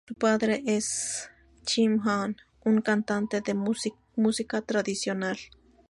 Su padre es Im Ji Hoon, un cantante de música tradicional.